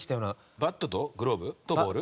バットとグローブとボール？